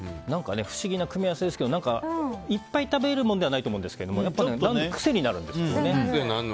不思議な組み合わせですけど何か、いっぱい食べるものではないと思うんですけど癖になるんですよね。